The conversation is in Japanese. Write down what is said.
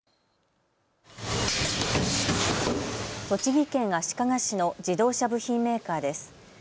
栃木県足利市の自動車部品メーカーです。